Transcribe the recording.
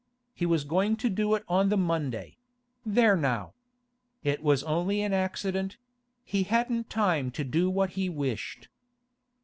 He was going to do it on the Monday—there now. It was only an accident; he hadn't time to do what he wished.